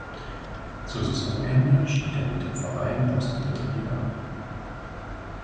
Zu Saisonende stieg er mit dem Verein aus der dritten Liga ab.